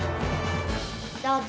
どうぞ。